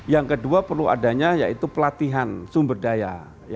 yang kedua perlu adanya yaitu pelatihan sumber daya